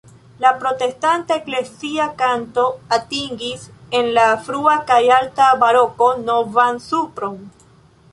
La protestanta eklezia kanto atingis en la frua kaj alta baroko novan supron.